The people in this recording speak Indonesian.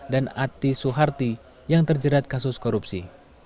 dan ati soeharti yang terjerat kasus korupsi